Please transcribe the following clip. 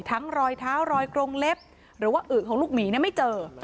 รอยเท้ารอยกรงเล็บหรือว่าอึกของลูกหมีไม่เจอ